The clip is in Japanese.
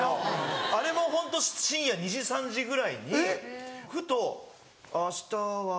あれもホント深夜２時３時ぐらいにふと「あしたは何とかで。